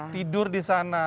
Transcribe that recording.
tidur di sana